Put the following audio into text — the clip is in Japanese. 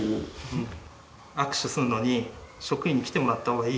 握手するのに職員に来てもらった方がいい？